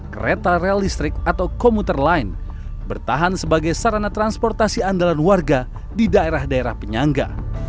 kereta rel listrik atau komuter lain bertahan sebagai sarana transportasi andalan warga di daerah daerah penyangga